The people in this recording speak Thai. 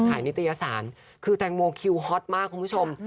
นิตยสารคือแตงโมคิวฮอตมากคุณผู้ชม